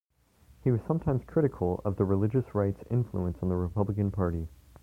He was sometimes critical of the religious right's influence on the Republican Party.